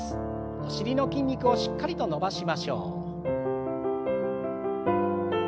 お尻の筋肉をしっかりと伸ばしましょう。